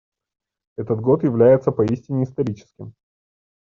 Этот год является поистине историческим.